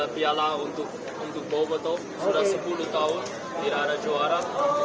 piala untuk boboto sudah sepuluh tahun tidak ada juara